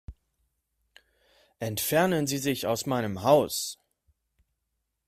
Entfernen Sie sich aus meinem Haus.